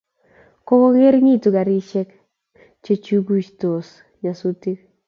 Ngongeringitu garisiek kochuchukokistos nyasutik